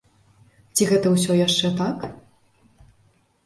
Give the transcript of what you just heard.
Ці гэта ўсё яшчэ так?